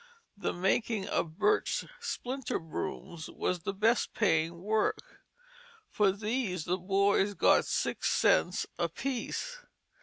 The making of birch splinter brooms was the best paying work. For these the boy got six cents apiece.